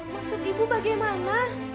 maksud ibu bagaimana